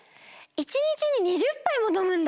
１日に２０ぱいものむんだ！